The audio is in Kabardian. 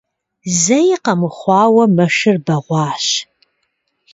Зэи къэмыхъуауэ, мэшыр бэгъуащ.